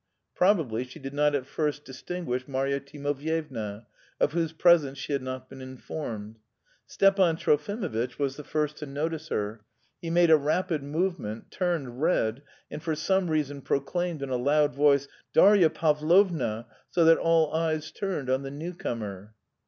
Probably she did not at first distinguish Marya Timofyevna, of whose presence she had not been informed. Stepan Trofimovitch was the first to notice her; he made a rapid movement, turned red, and for some reason proclaimed in a loud voice: "Darya Pavlovna!" so that all eyes turned on the new comer.